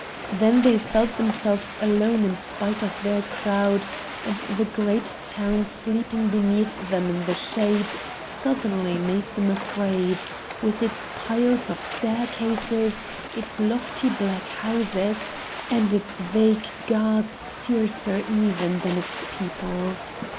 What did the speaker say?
Then they felt themselves alone in spite of their crowd, and the great town sleeping beneath them in the shade suddenly made them afraid, with its piles of staircases, its lofty black houses, and its vague gods fiercer even than its people.